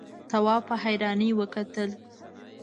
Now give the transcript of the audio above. تواب په حيرانۍ وکتل.